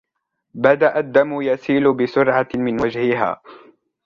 بدأ الدم يسيل بسرعة من وجهها.